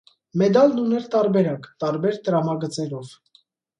Մեդալն ուներ տարբերակ՝ տարբեր տրամագծերով։